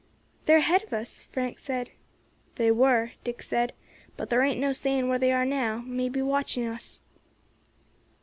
"They are ahead of us," Frank said. "They were," Dick said, "but thar ain't no saying where they are now; may be watching us."